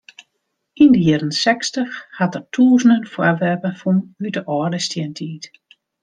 Yn de jierren sechstich hat er tûzenen foarwerpen fûn út de âlde stientiid.